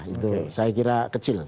itu saya kira kecil